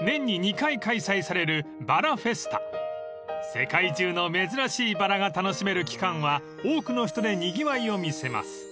［世界中の珍しいバラが楽しめる期間は多くの人でにぎわいを見せます］